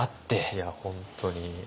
いや本当に。